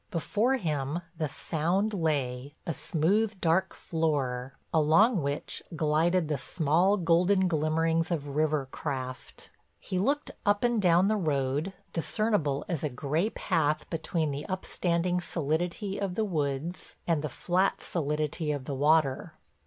Before him the Sound lay, a smooth dark floor, along which glided the small golden glimmerings of river craft. He looked up and down the road, discernible as a gray path between the upstanding solidity of the woods and the flat solidity of the water.